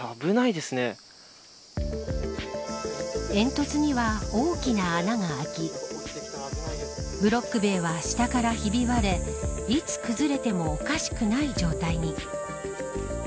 煙突には大きな穴が開きブロック塀は下からひび割れいつ崩れてもおかしくない状態に。